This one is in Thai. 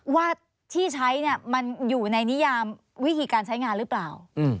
ว่าที่ใช้มันอยู่ในนิยามวิธีการใช้งานหรือเปล่า